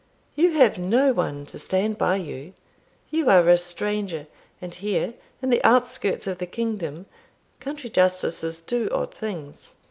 You have no one to stand by you you are a stranger; and here, in the outskirts of the kingdom, country justices do odd things.